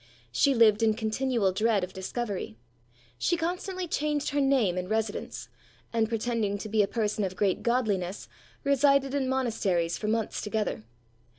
She lived in continual dread of discovery. She constantly changed her name and residence; and pretending to be a person of great godliness, resided in monasteries for months together.